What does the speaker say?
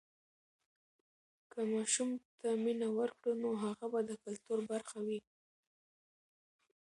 که ماشوم ته مینه ورکړو، نو هغه به د کلتور برخه وي.